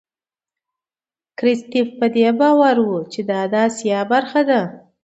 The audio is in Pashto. کرستیف په دې باور و چې دا د آسیا برخه ده.